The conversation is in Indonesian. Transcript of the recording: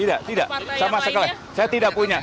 tidak tidak sama sekali saya tidak punya